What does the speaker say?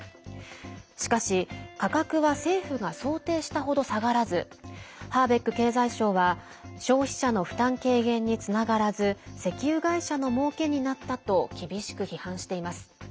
しかし、価格は政府が想定したほど下がらずハーベック経済相は消費者の負担軽減につながらず石油会社のもうけになったと厳しく批判しています。